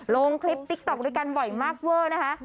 ลงคลิปติ๊กต๊อกด้วยกันบ่อยมากเวอร์นะคะ